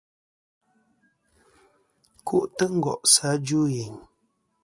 Ku'tɨ ngòsɨ a djuyeyn etm.